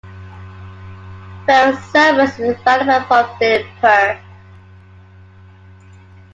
Ferry service is available from Diglipur.